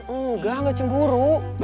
engga gak cemburu